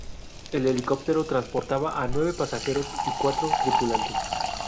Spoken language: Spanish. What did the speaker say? El helicóptero transportaba a nueve pasajeros y cuatro tripulantes.